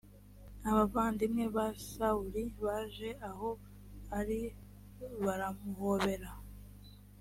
abavandimwe ba sawuli baje aho ari baramuhobera